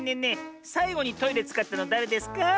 さいごにトイレつかったのだれですか？